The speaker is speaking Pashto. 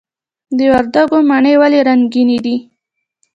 د وردګو مڼې ولې رنګینې دي؟